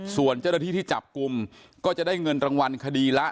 ส่วนเจ้าหน้าที่ที่จับกลุ่มก็จะได้เงินรางวัลคดีละ